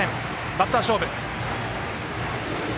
バッター勝負。